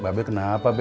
mbak be kenapa be